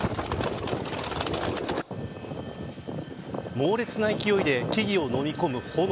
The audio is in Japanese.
猛烈な勢いで木々をのみ込む炎。